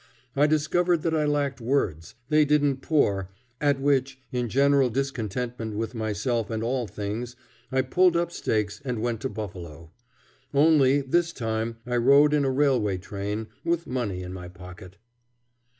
I discovered that I lacked words they didn't pour; at which, in general discontentment with myself and all things, I pulled up stakes and went to Buffalo. Only, this time I rode in a railway train, with money in my pocket.